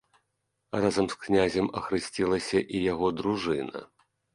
Разам з князем ахрысцілася і яго дружына.